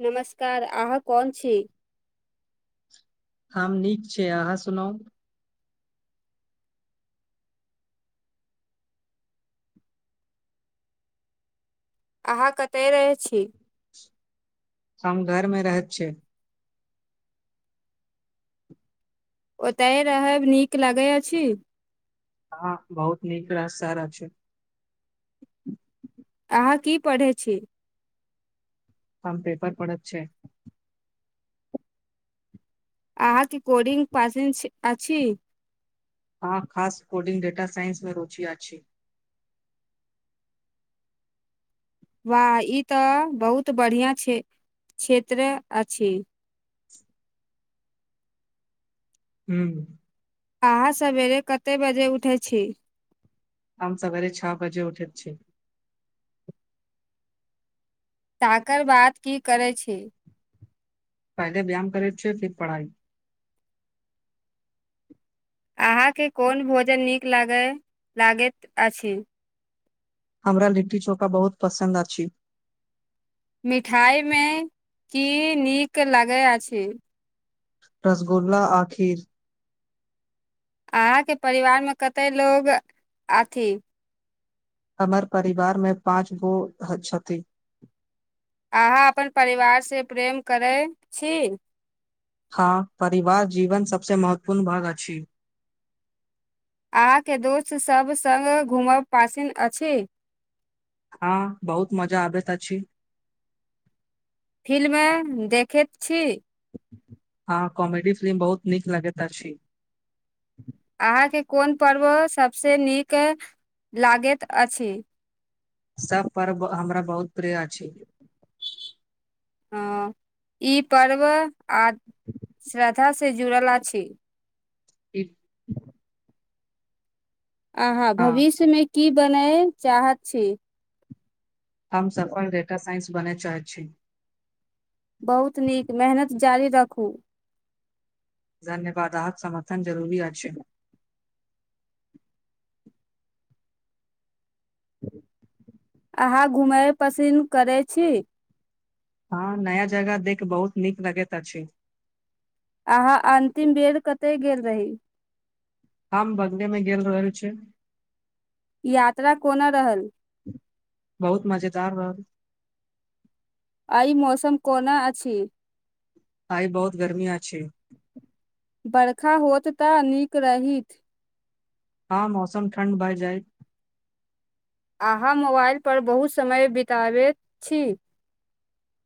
नमस्कार अहाँ कोन छी। हम नीक छै अहाँ सुनू। अहाँ कतय रहै छी। हम घरमे रहैत छिय ओतयहि रहब नीक लगैत अछि। हँ बहुत नीक रास सारा छै। अहाँ की पढ़ै छी। आम पेपर परड़त छै। अहाँ क कोडिंग पासे अछि। हँ खास कोडिंग ेटा साइंसमे रुचि अछि छै। वाह ई तऽ बहुत बढ़िआं के क्षेत्र अछि। हू। अहाँ सवेरे कतेक बजे उठैत छी। आम सवर छ बजे उठेैत छै। ताककर बाद की करै छी। फायदे व्यायाम करैत छै फिर पढ़ाइ। अहा के कोन भोजन नीक ल लागैत अछि। हमरा लिट्टी चोखा बहुत पसन्द अछि। मिठाइमे की नीक लगैत अछि। रसगुल्ला आखिर। अहाँके परिवारमे कतेक लोको अथिी। अमर परिवार में पाँंच गो कति अहाँ अपन परिवारसँ प्रेम करैत छी। हँ परिवार जीवन सबसँ महत्वपूर्ण भाग अछि। अहाँके दोस्त सभ सङ्ग घूमब पासीिनन अछि। हँ बहुत मजा आबैत छी। फिल्म देखैत छी। हँ कॉमेडी फिल्म बहुत नीक लगैत अछि छी। अहाँके कोन पर्व सभसँ नीक लागैत अछि। सभ पर्व हमरा बहुत प्रिय अछि। ह ई पर्व आ श्रद् से जुड़ल छी। एकठ। आहा भविष्यमे की बनय चाहैत छी। हम सफल डेटा साइंस बनय चाहैत छी। बहुत नीक मेहनत जारी राखू। धन्यवाद आप समर्थन जरूरी अचछेमे। ह्म। अहाँ घुमय पसिन्द करैत छी। हँ नया जगह देख बहुत नीक लगैत अछि। अहाँ अन्तिम बेर कतय गेल रही। आाम बंगले मे गेलेल रहल छै। यात्रा कोना रहल। बहुत मजेदार रहल। आइ मौसम कोना अछि। आइ बहुत गर्मी छै। बरखा होत तऽ नीक रहत। हँ मौसम ठण्ड भए जाय। अहाँ मोबाइलपर बहुत समय बितबैत छी।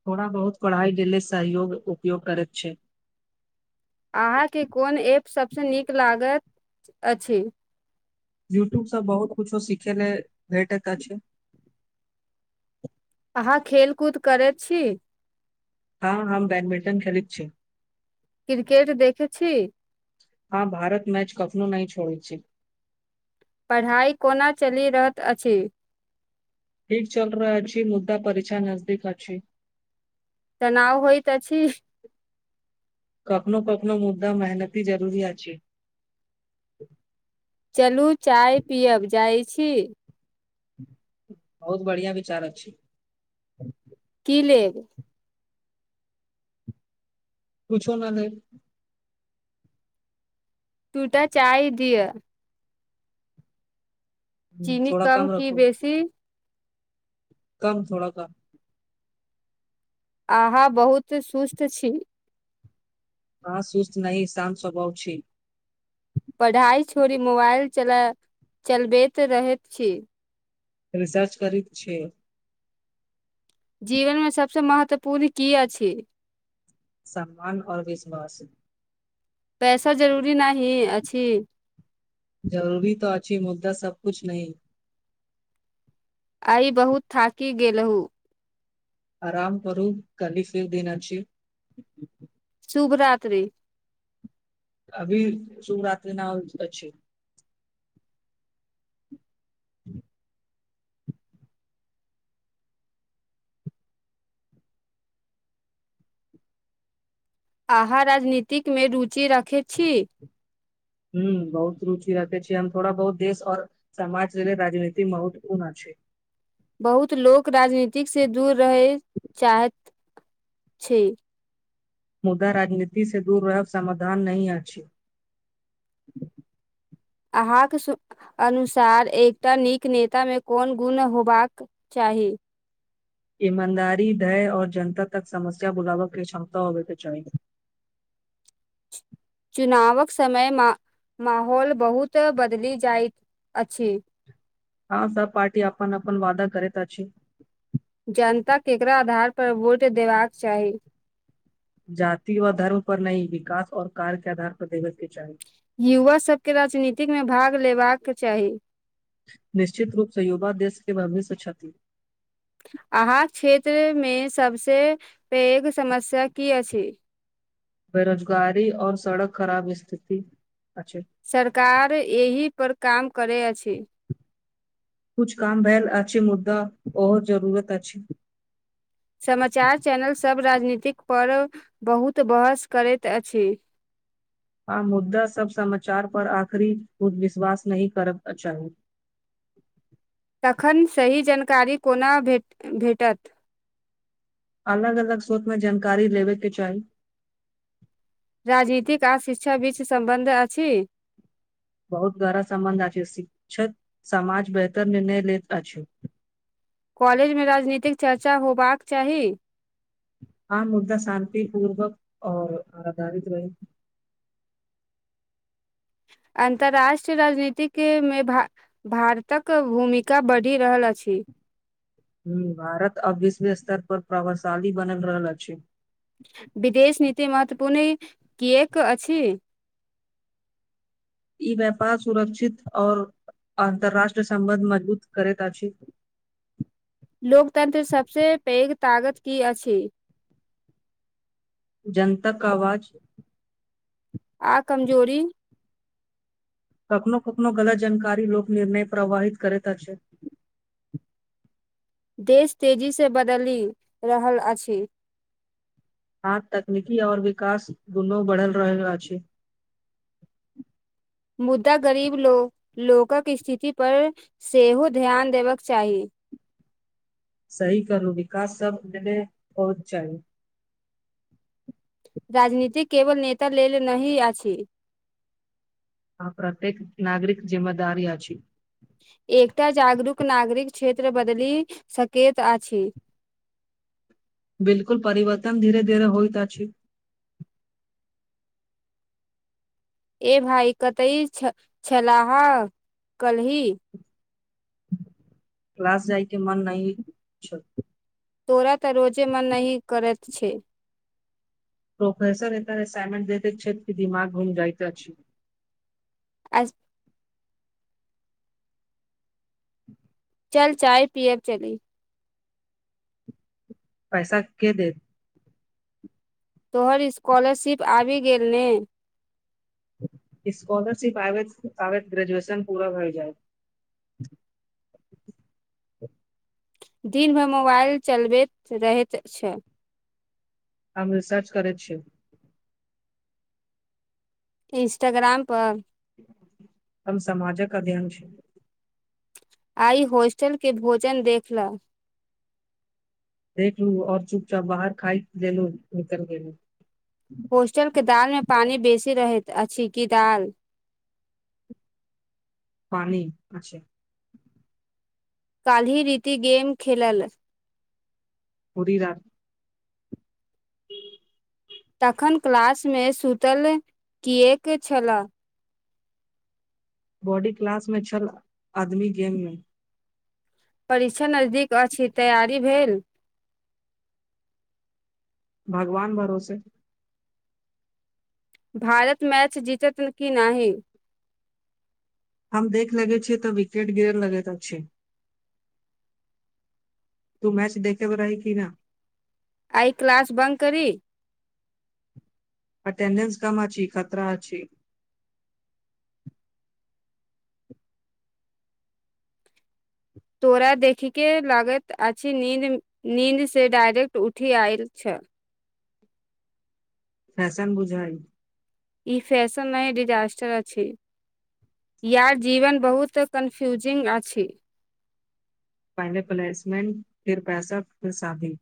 थोड़ा बहुत पढ़ाईके लेल सहयोग उपयोग करैत छै। अहाँके कोन एप सभसँ नीक लागत अ। यूट्यूबसँ बहुत कछो सीखय लेल भेटैत अछि। अहाँ खेलकूद करैत छी। हँ हम बैडमिंटन खेलैत छी। क्रिकेट देखै छी। हँ भारत मैच कफनो नहि छोड़ै छै। पढ़ाइ कोना चलि रहलैत अछि। ठीक चल रहल अछि मुद्दा परीक्षा नजदीक अछि। तनाउ होइ त छी। कखनो कखनो मुद्दा मेहनती जरूरी अछि। चलू चाय पियब जाइत छी। बहुत बढ़िआ विचार छै। की लेब। किुछो नहि नहि दूटा चाही दिअ। चनी थोड़ा कम की रखू बेसी। कम थोड़ा कम। अहाँ बहुत सुस्त छी। हँ सुस्त नह श्त स्वभाव छी। पढ़ाइ छोड़ि मोबाइल चलबैत रहैत छी। रिसर्च कर छै। जीवनमे सबसे महत्वपूर्ण की अछि। सम्मान आऔर विश्वास। पैसा जरूरी पूरी नहि अ। जरूरी तो अच्छी मुद्दा सबबकुछ न आइ बहुत थाकि गेलहुूँ। आरााम करू कली फिर देना छी। शुभ राति। अभी शू रतिि न छै। ह्म। अहाँ राजनीतिकमे रुचि राखैत छी। ह बहुत रुचि रखे छीियै हम थोड़ा बहुत देश और समाज लेल राजनीति महत्वपूर्ण छै। बहुत लोक राजनीतिकसँ दूर रहय चाहैत छै। मुदा राजनीति से दूर रहब समाधान नहि अछि। अहाँक अनुसार एकटा नीक नेतामे कोन गुण होबाक चाही। ईमानदारी धय आर जनता तक समस्या बुलावकके क्षमता होबे त चाह चुनावक समय माहौल बहुत बदलि जाइत अछि। हँ सब पार्टी अपनन अपनन वाददा करैत अछि। जनता ककरा आधार पर वोट देबाक चाही। जाति व धर्म पर नहि विकास आऔ कार्य के आधार पर देवस के चाही। युवा सबके राजनीतिक मे भाग लेबाक चाही। निश्चित रूपसँ युवा देश के भविष्य छ्षाति अहाँक क्षेत्रमे सभसँ पैघ समस्या की अछि। बेरोजगारी और सड़क खराब स्थिति। अच्छा सरकार एहिह पर काम। करै छी। कुछ काम भेलैल अच्छे मुद्दा आ जरूरत अचछी। समाचार चैनल सब राजनीति पर्व बहुत बहस करैत अछि। आ मुद्दा सब समाचार पर आखिरी विश्वास नहि कर चाही। तखन सही जानकारी कोना भेटत। अलग अलग स्रोतमें जानकारी लेबेके चाही। राजनीतिक आ शिक्षा बीच सम्बन्ध अछि। बहुत गरा सम्बन्ध अछि शिक्षक समाज बेहतर निर्णय लैत अछि। कॉलेजमे राजनीतिक चर्चा होबाक चाही। आम मुद्दा शान्ततिपूर्वक आऔर आधारित रहै अन्तर्राष्ट्रीय राजनीतिमे भारतक भूमिका बढ़ि रहल अछि। ह भारत अ विश्व स्तर पर प्रभावशाली बनल रहल छै। विदेश नीति महत्वपूर्ण किएक अछि। ई व्यापार सुरक्षित आओर अन्तररााष्ट्रीय सम्बन्ध मजबूत करैत अछि। लोकतन्त्र सबसँ पैघ ताकत की अछि। जनतक क आवाज। आ कमजोरी। कखनो कखनो गलत जानकारी लोक निर्णय प्रवहित करेता छै। देश तेजीसँ बदलि रहल अछि। आ तकनीकी आओर विकास दुनू बढ़ल रहल अछि। मुदा गरीब लोकक स्थिति परर सेहो ध्यान देबाक चाही। सही करू विकास सब हने होहुत चाही राजनीति केवल नेता लेल नहिी अछि। आ प्रत्येक नागरिक जिम्मेदारी अछि। एकटा जागरूक नागरिक क्षेत्र बदलि सकैत अछि। बिलकुल परिवर्तन धीे धीरे होइतत अछि। ए भाइ कतहि छलाह कलहि। क्लास जाइके मन नहि छ तोरा तऽ रोजे मन न ही करै छै। प्रोफेसर इतर असाइनमंट देते छ्षेद की दिमाग भढूज जाइ ते अच्छी। ब। ह। चल चाय पियब चली। पैसा के देत। तोहर स्कॉलरशिप आबि गेल नहि। स्कॉलरशिप आबे ग्रेजुएशन पूरा भए जाय। दिन भरि मोबाइल चलबैत रहैत छै। आम रिसर्च करैत छी। इंस्टाग्राम पर। हम समाजक अध्ययन छै। आइ हॉस्टलके भोजन देख लह। देख लूऔर चुप चाप बाहर खा ल लू निकल गेल होस्टल के दाल मे पानि बेसी रहेे अ की दाल। पानि आ छै काल ही रीति गेम खेललाल ओड़दार। तखन क्लासमे सुतल किएक छलए। बॉडी क्लास मे छल आदमी गेममे। परीक्षा नजदीक अछि तैयारी भेल। भगवान भरोसे भारत मैच जीतत किी नहि। हम देख लगे छ तऽ विकेट गिरन लगे त छै। तू मैच देखे पर रही किी न। आइ क्लास ब करी। अटेंडेंस काम आ छी खतरा आ छै। तोरा देखये लगैत अछि नी नीन्दसँ डायरेक्ट उठि आयल छल। फैशन बुझाय ई फैशन मे डिजास्टर अछि यार जीवन बहुत कन्फ्यूजिंग अछि। फाइनल प्लेसमंट फिर पैसा फर शादी।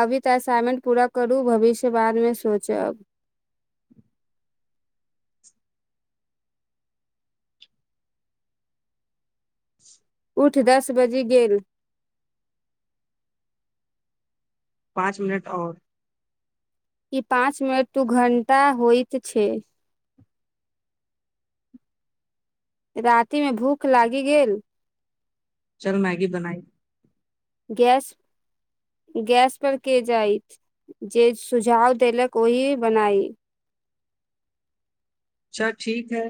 अभी तऽ असाइनमेंट पूरा करू भविष्य बादमे सोचब। उठ दस बजे गेल। पाँच मिनट आओर। ई पाँच मिनट तू घण्टा होइतइत छै। राति मे भूख लागि गेल। चल मैगी बनाई। गैस गैस पर के जाइत जे सुझाव देलक ओहिी बनाई। अच्ा ठीक है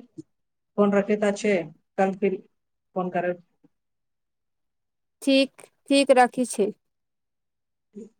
फोन रखे तऽ अच्छे कल फिर फोन करे। ठीक ठीक राखी छै। क।